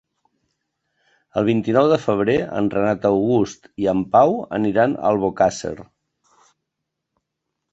El vint-i-nou de febrer en Renat August i en Pau aniran a Albocàsser.